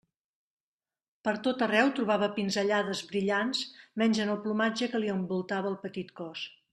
Per tot arreu trobava pinzellades brillants menys en el plomatge que li envoltava el petit cos.